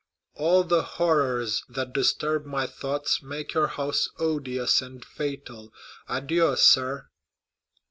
"All the horrors that disturb my thoughts make your house odious and fatal. Adieu, sir."